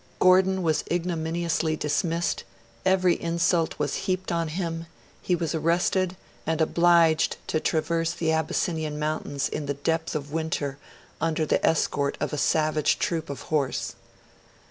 Gordon was ignominiously dismissed; every insult was heaped on him; he was arrested, and obliged to traverse the Abyssinian Mountains in the depth of winter under the escort of a savage troop of horse.